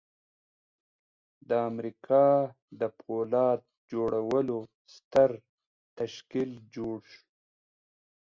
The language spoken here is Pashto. د امریکا د پولاد جوړولو ستر تشکیل جوړ شو